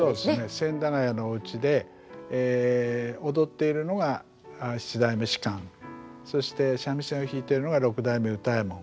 千駄ヶ谷のおうちで踊っているのが七代目芝そして三味線を弾いているのが六代目歌右衛門。